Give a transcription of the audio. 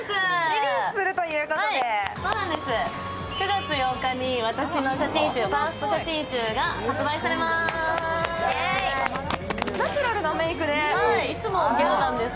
９月８日に私のファースト写真集が発売されまーす。